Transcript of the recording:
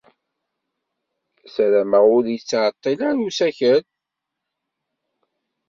Ssarameɣ ur yettɛeḍḍil ara usakal.